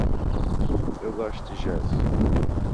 Eu gosto de jazz.